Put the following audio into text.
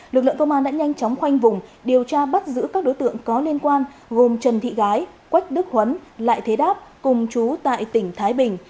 lực lượng công an đã nhanh chóng khoanh vùng điều tra bắt giữ các đối tượng có liên quan gồm trần thị gái quách đức huấn lại thế đáp cùng chú tại tỉnh thái bình